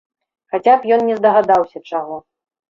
Хаця б ён не здагадаўся чаго.